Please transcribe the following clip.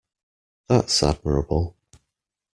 That's admirable